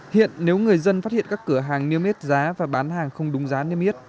hiện nếu người dân phát hiện các cửa hàng niêm yết giá và bán hàng không đúng giá niêm yết